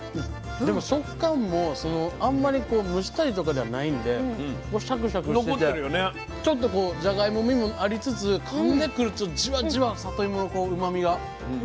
でも食感もあんまり蒸したりとかではないんでシャクシャクしててちょっとじゃがいもみもありつつかんでくるとじわじわさといものうまみが。